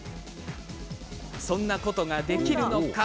そんなことができるのか。